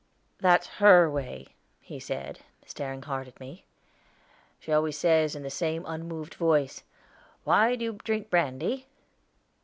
"That's her way," he said, staring hard at me. "She always says in the same unmoved voice, 'Why do you drink brandy?'"